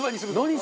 何？